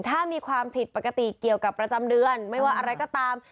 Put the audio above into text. ถ้ามีความผิดปกติเกี่ยวกับประจำเดือนไม่ว่าอะไรก็ตาม